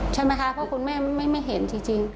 ใช่ไหมคะเพราะคุณแม่ไม่เห็นจริง